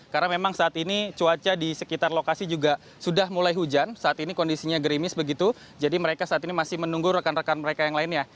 karena memang saat ini cuaca di sekitar lokasi juga sudah mulai hujan saat ini kondisinya gerimis begitu jadi mereka saat ini masih menunggu rekan rekan mereka yang lainnya